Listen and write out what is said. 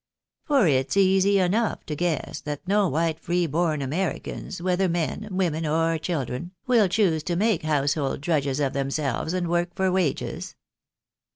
For it's easy enough to guess, that no white free born Americans, whether men, women, or children, will choose to make household drudges of themselves and work for wages.